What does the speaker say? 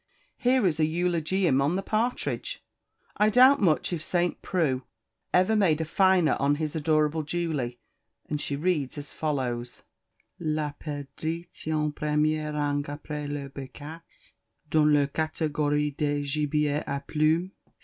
Here is an eulogium on the partridge. I doubt much if St. Preux ever made a finer on his adorable Julie;" and she read as follows: "La Perdrix tient Ie premier rang apres la Bécasse, dans la cathégorie des gibiers à plumes.